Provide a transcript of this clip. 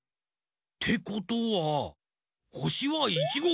てことはほしはいちご！